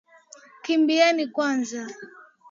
Kimbieni kwanza.